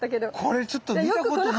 これちょっと見たことない。